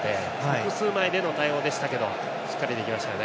複数枚での対応がしっかりできました。